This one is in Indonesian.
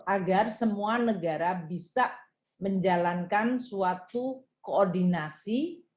agar semua negara bisa menjalankan suatu koordinasi